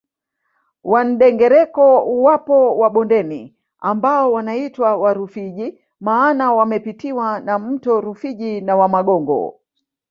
Wandengereko wapo wa bondeni ambao wanaitwa Warufiji maana wamepitiwa na mto Rufiji na Wamagongo